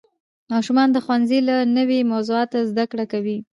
ماشومان د ښوونځي له نوې موضوعاتو زده کړه کوي